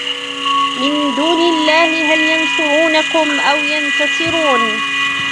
من دون الله هل ينصرونكم أو ينتصرون